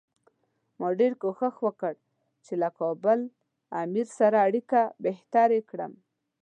ما ډېر کوښښ وکړ چې له کابل امیر سره اړیکې بهترې کړم.